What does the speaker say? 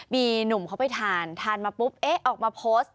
มีหนุ่มเขาไปทานทานมาปุ๊บเอ๊ะออกมาโพสต์